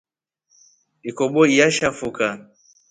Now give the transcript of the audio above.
Ikobo iashafuka.